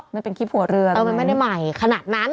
มันเป็นคลิปหัวเรือมันไม่ได้ใหม่ขนาดนั้น